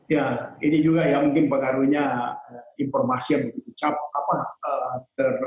ya ini juga ya mungkin pengaruhnya informasi yang